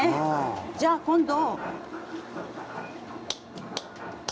じゃあ今度。